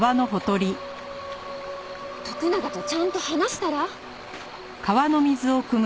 徳永とちゃんと話したら？